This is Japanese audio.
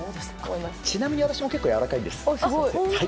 ちなみに私も結構やわらかいんです。